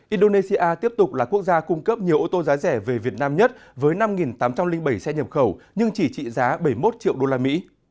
indonesia tiếp tục là quốc gia cung cấp nhiều ô tô giá rẻ về việt nam nhất với năm tám trăm linh bảy xe nhập khẩu nhưng chỉ trị giá bảy mươi một triệu đô la mỹ